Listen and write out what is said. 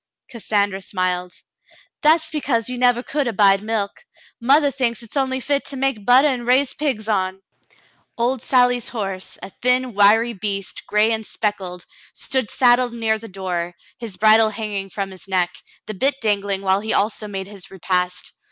Cassandra smiled. "That's because you never could abide milk. Mothah thinks it's only fit to make buttah and raise pigs on." Old Sally's horse, a thin, wiry beast, gray and speckled, stood ready saddled near the door, his bridle hanging from his neck, the bit dangling while he also made his repast.